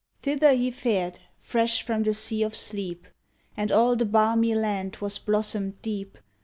Thither he fared, fresh from the sea of sleep, And all the balmy land was blossomed deep.